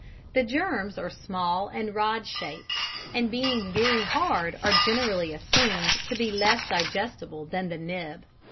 The germs are small and rod shaped, and being very hard are generally assumed to be less digestible than the nib.